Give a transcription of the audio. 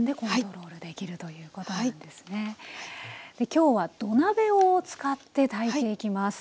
今日は土鍋を使って炊いていきます。